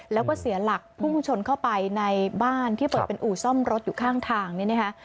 แล้วก็เสียหลักพุ่งชนเข้าไปในบ้านที่เปิดเป็นอู่ซ่อมรถอยู่ข้างทางเนี่ยนะคะ